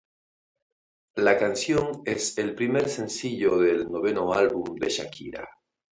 La canción es el primer sencillo del noveno álbum de Shakira.